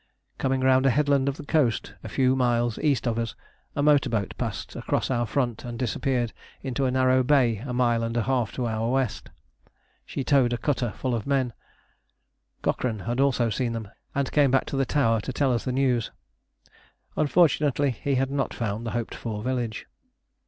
Coming round a headland of the coast, a few miles east of us, a motor boat passed across our front and disappeared into a narrow bay a mile and a half to our west. She towed a cutter full of men. Cochrane also had seen them, and came back to the tower to tell us the news; unfortunately, he had not found the hoped for village.